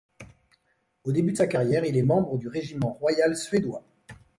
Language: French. Au début de sa carrière, il est membre du Régiment Royal-Suédois.